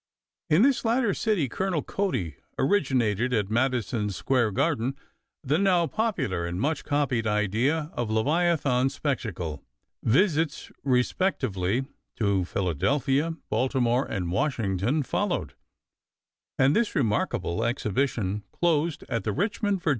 In this latter city Colonel Cody originated, at Madison Square Garden, the now popular and much copied idea of leviathan spectacle. Visits respectively to Philadelphia, Baltimore, and Washington followed, and this remarkable exhibition closed, at the Richmond, Va.